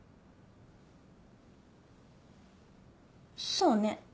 そうね。